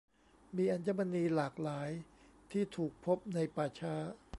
มีอัญมณีหลากหลายที่ถูกพบในป่าช้า